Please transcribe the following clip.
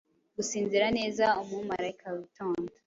Gusinzira neza Umumarayika witonda,